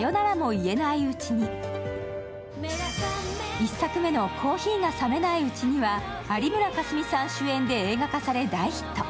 １作目の「コーヒーが冷めないうちに」は有村架純さん主演で映画化され大ヒット。